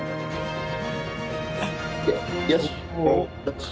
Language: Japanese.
よし！